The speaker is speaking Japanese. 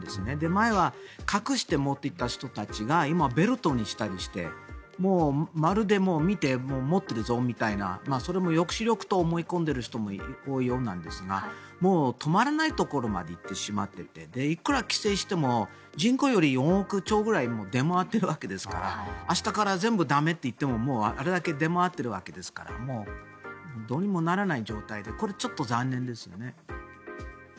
前は隠して持っていた人たちが今、ベルトにしたりしてまるで見て、持ってるぞみたいなそれも抑止力と思い込んでいる人がいるようなんですがもう止まらないところまで行ってしまっていていくら規制しても人口より４億丁ぐらい出回っているわけですから明日から全部駄目といってももうあれだけ出回っているわけですからもうどうにもならない状態でこれちょっと残念ですよね。